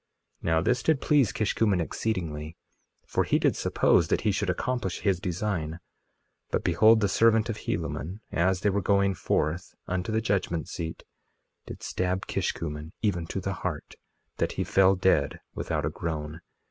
2:9 Now this did please Kishkumen exceedingly, for he did suppose that he should accomplish his design; but behold, the servant of Helaman, as they were going forth unto the judgment seat, did stab Kishkumen even to the heart, that he fell dead without a groan.